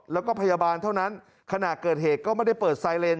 แล้วก็พยาบาลเท่านั้นขณะเกิดเหตุก็ไม่ได้เปิดไซเลน